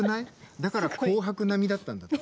だから「紅白」並みだったんだって。